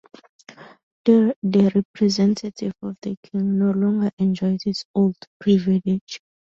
The representative of the king no longer enjoys his his old privilege.